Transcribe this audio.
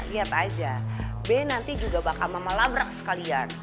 lihat aja b nanti juga bakal mama labrak sekalian